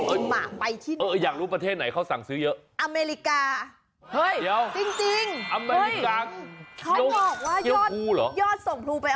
เอออยากรู้ประเทศไหนเขาสั่งซื้อเยอะ